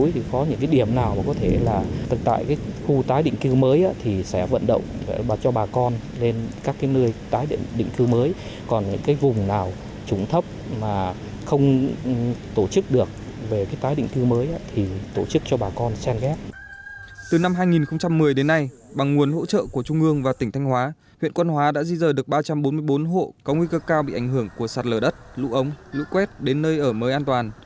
từ năm hai nghìn một mươi đến nay bằng nguồn hỗ trợ của trung ương và tỉnh thanh hóa huyện quan hóa đã di rời được ba trăm bốn mươi bốn hộ có nguy cơ cao bị ảnh hưởng của sạt lờ đất lũ ống lũ quét đến nơi ở mới an toàn